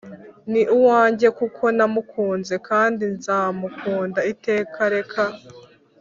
“ni uwanjye; kuko namukunze, kandi nzamukunda iteka; reka! ”